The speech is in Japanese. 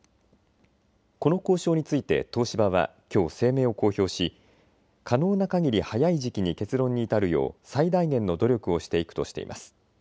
この交渉について東芝はきょう声明を公表し可能なかぎり早い時期に結論に至るよう最大限の努力をしていくとしています。